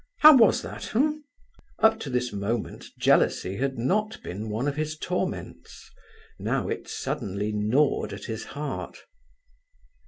How was that, eh?" Up to this moment jealousy had not been one of his torments; now it suddenly gnawed at his heart.